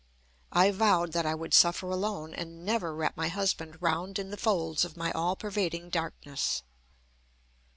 I vowed that I would suffer alone, and never wrap my husband round in the folds of my all pervading darkness.